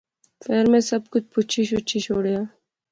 فیر میں سب کی پچھی شچھی شوڑیا